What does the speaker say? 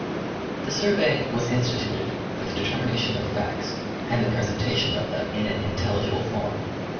The Survey was instituted for the determination of facts, and the presentation of them in an intelligible form.